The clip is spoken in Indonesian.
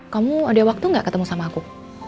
kamu ada waktu gak ketemu sama aku